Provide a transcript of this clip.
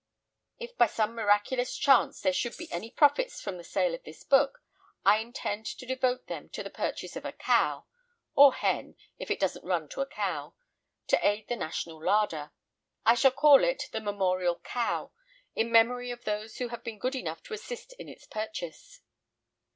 If by some miraculous chance there should be any profits from the sale of this book, I intend to devote them to the purchase of a cow (or hen, if it doesn't run to a cow), to aid the national larder. I shall call it "the Memorial Cow," in memory of those who have been good enough to assist in its purchase.